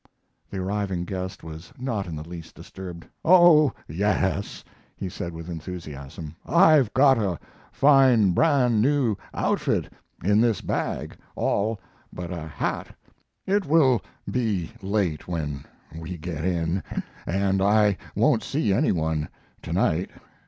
The arriving guest was not in the least disturbed. "Oh yes," he said with enthusiasm, "I've got a fine brand new outfit in this bag, all but a hat. It will be late when we get in, and I won't see any one to night.